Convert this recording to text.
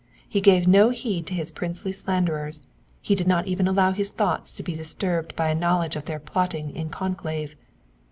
He gave no heed to his princely slanderers, he did not even allow his thoughts to be disturbed by a knowledge of their plotting in conclave.